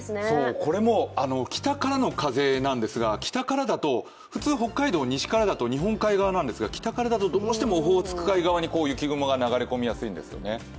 これも北からの風なんですが、北からだと、普通北海道は日本海側なんですが、北からだとどうしてもオホーツク側に雪雲が流れ込みやすいんですね。